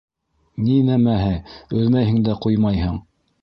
Ни нәмәһе өҙмәйһең дә ҡуймайһың.